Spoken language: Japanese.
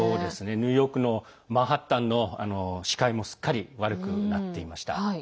ニューヨークのマンハッタンの視界もすっかり悪くなっていました。